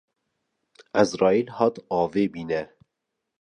Ezraîl hat avê bîne